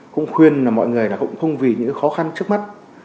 cũng khuyên là mọi người là cũng không vì những khó khăn trước mắt